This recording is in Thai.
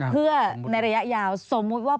เพื่อในระยะยาวสมมุติว่า